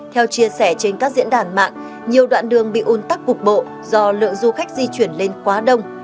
theo chia sẻ trên các diễn đàn mạng nhiều đoạn đường bị un tắc cục bộ do lượng du khách di chuyển lên quá đông